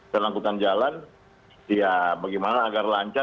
dan angkutan jalan ya bagaimana agar lancar